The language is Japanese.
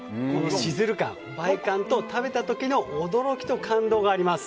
シズル感、映え感と食べた時の驚きと感動があります。